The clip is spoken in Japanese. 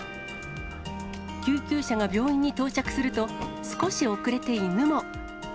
救急車が病院に到着すると、少し遅れて犬も。